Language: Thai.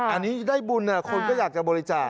อันนี้ได้บุญคนก็อยากจะบริจาค